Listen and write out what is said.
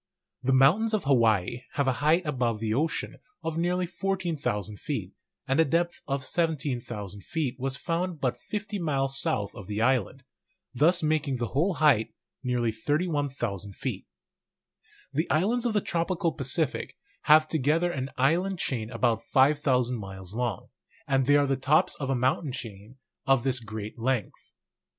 The mountains of Hawaii have a height above the ocean of nearly 14,000 feet, and a depth of 17,000 feet was found but 50 miles south of the island, thus making the whole height nearly 31,000 feet. The islands of the tropical Pacific make together an island chain about 5,000 miles long; and they are the tops of a mountain chain of this great length.